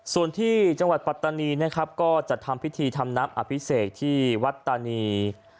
ส่วนที่จังหวัดปัตตานีนะครับก็จัดทำพิธีทำน้ำอภิเษกที่วัดตานี